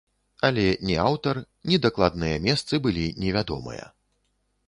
Але ні аўтар, ні дакладныя месцы былі невядомыя.